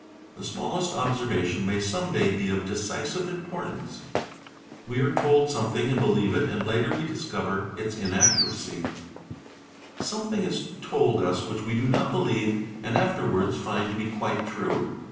The smallest observation may some day be of decisive importance. We are told something and believe it and later we discover its inaccuracy ; something is told us which we do not believe and after 'wards find to be quite true.